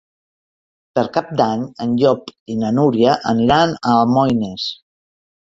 Per Cap d'Any en Llop i na Núria aniran a Almoines.